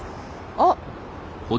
あっ！